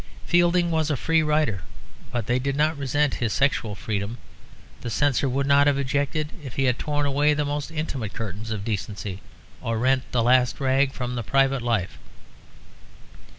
Fielding was a free writer; but they did not resent his sexual freedom; the Censor would not have objected if he had torn away the most intimate curtains of decency or rent the last rag from private life.